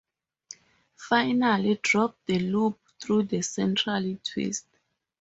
Finally drop the loop through the central twist.